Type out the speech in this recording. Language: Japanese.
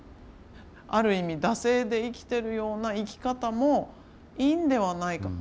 ある意味惰性で生きてるような生き方もいいんではないか。